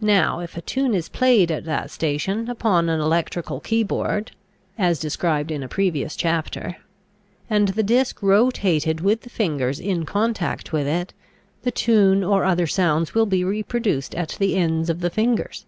Now, if a tune is played at that station, upon an electrical key board, as described in a previous chapter, and the disk rotated with the fingers in contact with it, the tune or other sounds will be reproduced at the ends of the fingers.